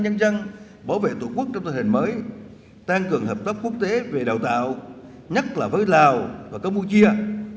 nhân dân bảo vệ tổ quốc trong tình hình mới tăng cường hợp tác quốc tế về đào tạo nhất là với lào và campuchia